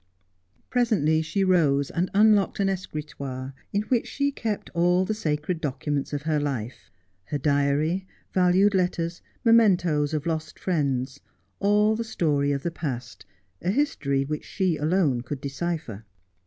Presently she rose and unlocked an escritoire, in which she kept all the sacred documents of her life — her diary, valued letters, mementoes of lost friends — all the story of the past, a history which she alone could decipher.